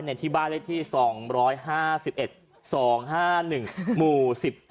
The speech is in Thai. ที่บ้านเลขที่๒๕๑๒๕๑หมู่๑๗